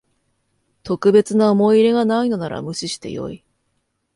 特別な思い入れがないのなら無視してよい